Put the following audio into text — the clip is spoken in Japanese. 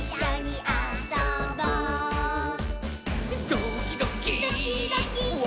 「ドキドキ」ドキドキ。